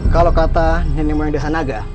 kalau kata nenek nenek dari desa naga